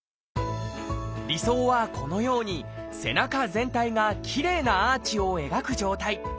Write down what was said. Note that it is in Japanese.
理想はこのように背中全体がきれいなアーチを描く状態。